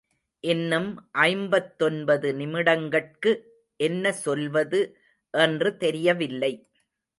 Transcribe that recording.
இன்னும் ஐம்பத்தொன்பது நிமிடங்கட்கு என்ன சொல்வது என்று தெரியவில்லை.